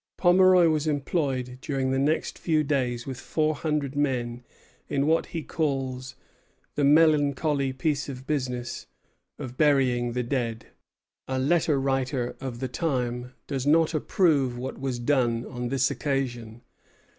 Pomeroy was employed during the next few days with four hundred men in what he calls "the melancholy piece of business" of burying the dead. A letter writer of the time does not approve what was done on this occasion.